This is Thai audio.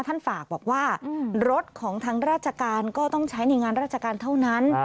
ท่านฝากบอกว่ารถของทางราชการก็ต้องใช้ในงานราชการเท่านั้น